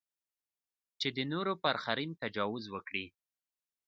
چې د نورو پر حریم تجاوز وکړي.